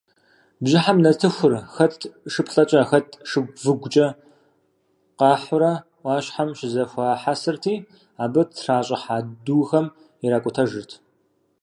Бжьыхьэм нартыхур, хэт шыплӏэкӏэ, хэт шыгу-выгукӏэ къахьурэ ӏуащхьэм щызэхуахьэсырти, абы тращӏыхьа духэм иракӏутэжырт.